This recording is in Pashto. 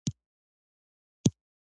انډریو ډاټ باس خپل تندی ترېو کړ